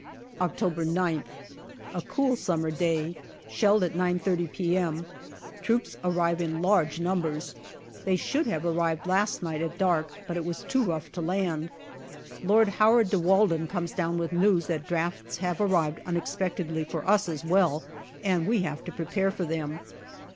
October 9th. A cool summer day. Shelled at 9.30 p.m. Troops arrive in large numbers. They should have arrived last night at dark, but it was too rough to land. Lord Howard de Walden comes down with news that drafts have arrived unexpectedly for us as well, and we have to prepare for them.